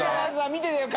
見ててよ